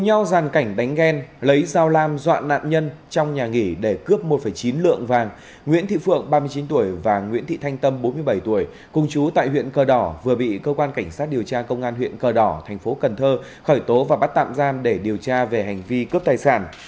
theo gian cảnh đánh ghen lấy dao lam dọa nạn nhân trong nhà nghỉ để cướp một chín lượng vàng nguyễn thị phượng ba mươi chín tuổi và nguyễn thị thanh tâm bốn mươi bảy tuổi cùng chú tại huyện cờ đỏ vừa bị cơ quan cảnh sát điều tra công an huyện cờ đỏ thành phố cần thơ khởi tố và bắt tạm giam để điều tra về hành vi cướp tài sản